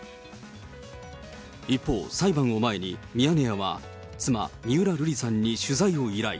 一方、裁判を前にミヤネ屋は妻、瑠麗さんに取材を依頼。